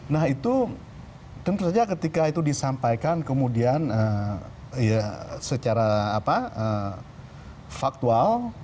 nah itu tentu saja ketika itu disampaikan kemudian secara faktual